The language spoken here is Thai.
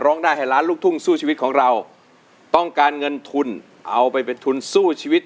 ได้ให้ล้านลูกทุ่งสู้ชีวิตของเราต้องการเงินทุนเอาไปเป็นทุนสู้ชีวิต